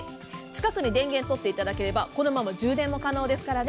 近くに電源を取っていただければこのまま充電も可能です。